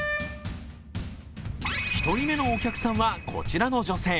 １人目のお客さんはこちらの女性。